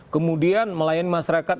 kemudian melayani masyarakat